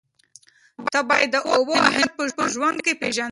ته باید د اوبو اهمیت په ژوند کې پېژنه.